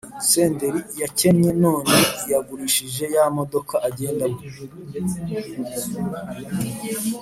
Senderi yakennye none yagurishije yamodoka agendamo